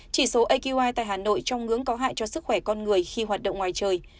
chỉ số aqi tại hà nội trong ngưỡng có hại cho sức khỏe con người khi hoạt động ngoài trời